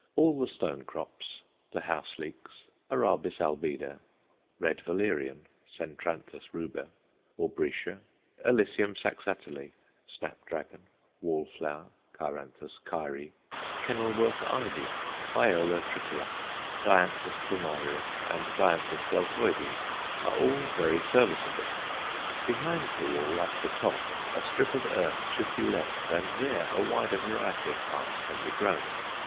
All the stonecrops, the house leeks, Arabis albida, red valerian (Centranthus ruber), aubrietia, Alyssum saxatile, snapdragon, wallflower (Cheiranthus Cheiri), Kenilworth ivy, Viola tricolor, Dianthus plumarius, and Dianthus deltoides are all very serviceable. Behind the wall, at the top, a strip of earth should be left and there a wider variety of plants can be grown.